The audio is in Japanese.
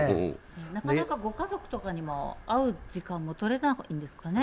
なかなかご家族とかにも会う時間も取れないんですかね。